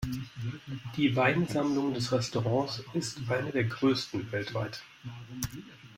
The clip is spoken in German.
Die Weinsammlung des Restaurants ist eine der größten weltweit.